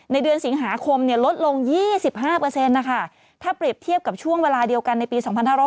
เดือนสิงหาคมลดลง๒๕นะคะถ้าเปรียบเทียบกับช่วงเวลาเดียวกันในปี๒๕๖๐